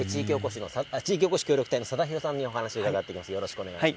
地域おこし協力隊の貞廣さんにお話を伺います。